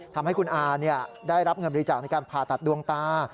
ทำให้คุณอาได้รับเงินบริจาคในการผ่าตัดดวงตา